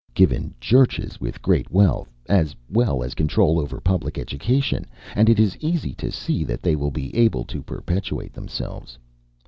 Given churches with great wealth, as well as control over public education, and it is easy to see that they will be able to perpetuate themselves.